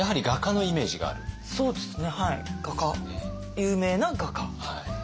有名な画家。